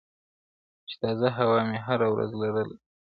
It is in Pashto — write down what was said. چي تازه هوا مي هره ورځ لرله!.